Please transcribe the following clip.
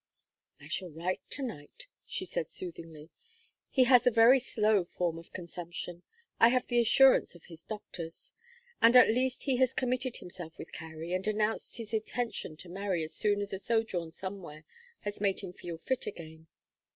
"I will write to night," she said, soothingly. "He has a very slow form of consumption; I have the assurance of his doctors. And at least he has committed himself with Carry, and announced his intention to marry as soon as a sojourn somewhere has made him feel fit again.